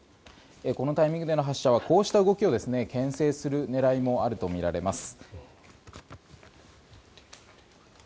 このタイミングでの発射はこうした動きをけん制する狙いもあるとみられます。